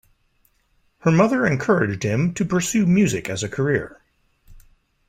Her mother encouraged him to pursue music as a career.